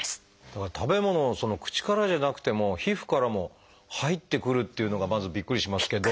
だから食べ物口からじゃなくても皮膚からも入ってくるっていうのがまずびっくりしますけど。